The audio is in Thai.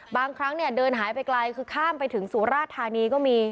บางครั้งเนี่ยเดินหายไปไกลคือข้ามไปถึงสุราชธานีก็มี